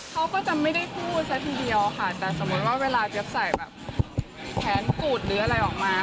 เขาก็จะไม่ได้พูดซะทีเดียวค่ะแต่สมมุติว่าเวลาเจี๊ยบใส่แบบแขนกูดหรืออะไรออกมา